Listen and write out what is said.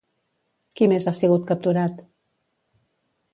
Qui més ha sigut capturat?